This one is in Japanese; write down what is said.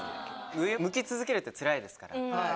上向き続けるってつらいですから。